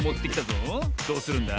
どうするんだ？